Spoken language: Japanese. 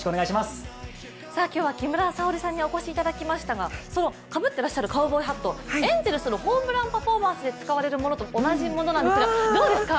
今日は木村沙織さんにお越しいただきましたがかぶってらっしゃるカウボーイハット、エンゼルスのホームランパフォーマンスで使われる物と同じ物なんですがどうですか？